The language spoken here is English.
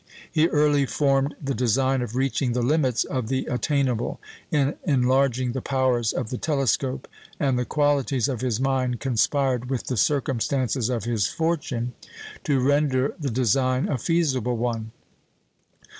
He early formed the design of reaching the limits of the attainable in enlarging the powers of the telescope, and the qualities of his mind conspired with the circumstances of his fortune to render the design a feasible one.